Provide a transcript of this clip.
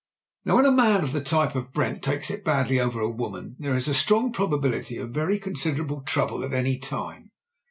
Now when a man of the type of Brent takes it badly over a woman, there is a strong probability of very considerable trouble at any time.